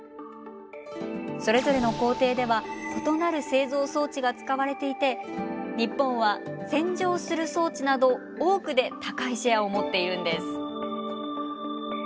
それぞれの工程では異なる製造装置が使われていて日本は洗浄する装置など多くで高いシェアを持っているんです。